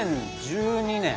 ２０１２年。